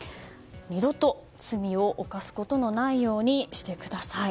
二度と罪を犯すことのないようにしてください。